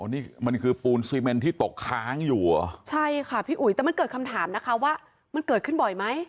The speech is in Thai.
นี่มันคือปูนซีเมนที่ตกค้างอยู่เหรอใช่ค่ะพี่อุ๋ยแต่มันเกิดคำถามนะคะว่ามันเกิดขึ้นบ่อยไหม